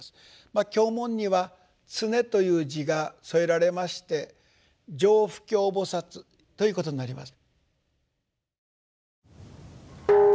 経文には「常」という字が添えられまして「常不軽菩薩」ということになります。